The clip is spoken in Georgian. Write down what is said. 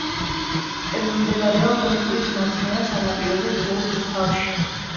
მდებარეობს მტკვრის მარცხენა სანაპიროზე, ძველ რუსთავში.